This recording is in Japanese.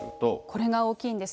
これが大きいんです。